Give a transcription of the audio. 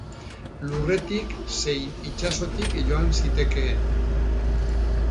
Lurretik zein itsasotik joan zitekeen.